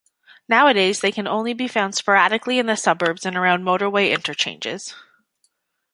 Nowadays they can only be found sporadically in the suburbs and around motorway interchanges.